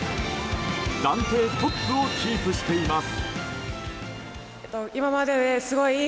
暫定トップをキープしています。